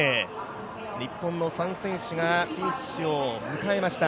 日本の３選手がフィニッシュを迎えました。